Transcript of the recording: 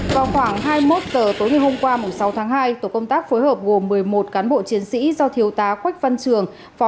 vào khoảng hai mươi một h tối ngày hôm qua sáu tháng hai tổ công tác phối hợp gồm một mươi một cán bộ chiến sĩ do thiếu tá quách văn trường